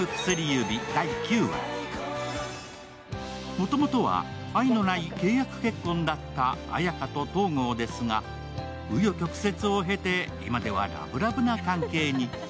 もともとは愛のない契約結婚だった綾華と東郷ですが、紆余曲折を経て今ではラブラブの関係に。